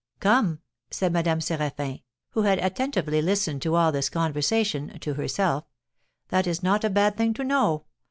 "Come!" said Madame Séraphin (who had attentively listened to all this conversation) to herself, "that is not a bad thing to know.